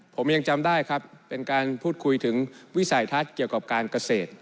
ผมยังจำได้ครับเป็นการพูดคุยถึงวิสัยทัศน์เกี่ยวกับการเกษตร